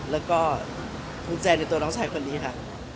แล้วก็ภูมิใจในตัวน้องชายคนนี้ค่ะ